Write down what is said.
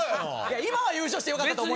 今は優勝して良かったと思いますよ。